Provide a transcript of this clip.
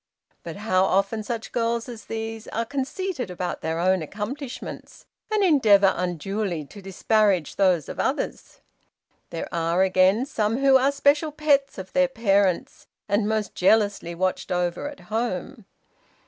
But how often such girls as these are conceited about their own accomplishments, and endeavor unduly to disparage those of others! There are again some who are special pets of their parents, and most jealously watched over at home.